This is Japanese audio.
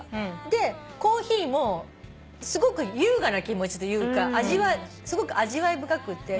でコーヒーもすごく優雅な気持ちというかすごく味わい深くって。